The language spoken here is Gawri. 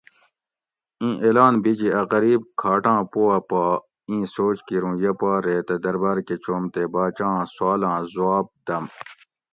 ایں اعلان بیجی ا غریب کھاٹاۤں پواۤ پا ایں سوچ کیر اوں یہ پا ریتہ درباۤر کہ چوم تے باچاں سوالاں زواب دۤم